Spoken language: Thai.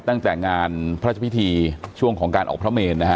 ตั้งแต่งานพระราชพิธีช่วงของการออกพระเมนนะฮะ